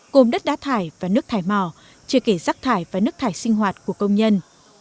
gồm đất đá thải và nước thải màu chứa kể rắc thải và nước thải sinh hoạt của công nhân